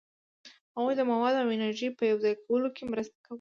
هغوی د موادو او انرژي په یوځای کولو کې مرسته کوي.